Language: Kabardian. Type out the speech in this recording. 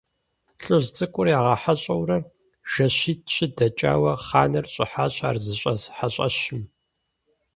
ЛӀыжь цӀыкӀур ягъэхьэщӀэурэ жэщитӀ-щы дэкӀауэ, хъаныр щӀыхьащ ар зыщӀэс хьэщӀэщым.